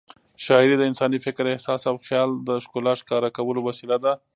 شاعري د انساني فکر، احساس او خیال د ښکلا ښکاره کولو وسیله ده.